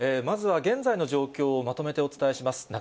まずは現在の状況をまとめてお伝えします。